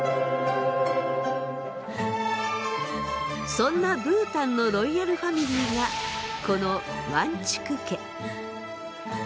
そんなブータンのロイヤルファミリーがこのワンチュク家。